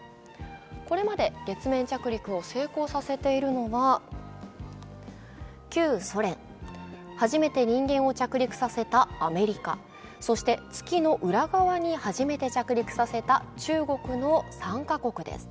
これまで月面着陸を成功させているのは旧ソ連、初めて人間を着陸させたアメリカそして月の裏側に初めて着陸させた中国の３か国です。